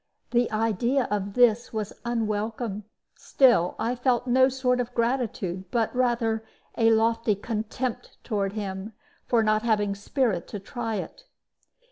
The idea of this was unwelcome; still, I felt no sort of gratitude, but rather a lofty contempt toward him for not having spirit to try it.